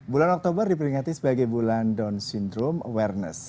bulan oktober diperingati sebagai bulan down syndrome awareness